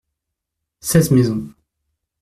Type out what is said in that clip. Seize maisons.